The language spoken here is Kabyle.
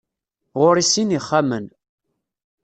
Ɣur-i sin n yixxamen.